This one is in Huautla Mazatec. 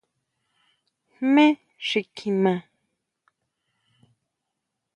¿Jmé xi kjima?